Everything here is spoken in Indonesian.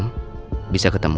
oh bisa ketemu